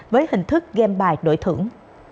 với hình thức game bài đổi thưởng